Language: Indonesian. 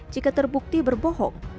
jika terbukti berbohong